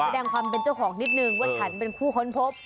แสดงความเป็นเจ้าของนิดนึงว่าฉันเป็นผู้ค้นพบ